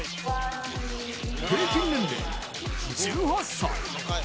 平均年齢１８歳。